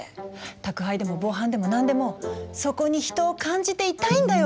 宅配でも防犯でも何でもそこに人を感じていたいんだよ